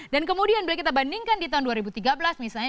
dan kemudian bila kita bandingkan di tahun dua ribu tiga belas misalnya